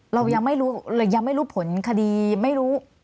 เรายังไม่รู้ยังไม่รู้ผลคดีไม่รู้